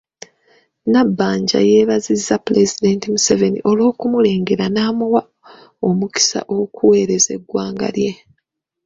Nabbanja yeebazizza Pulezidenti Museveni olw'okumulengera n’amuwa omukisa okuweereza eggwanga lye.